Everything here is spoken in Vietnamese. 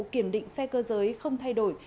kiểm định xe cơ giới không thay đổi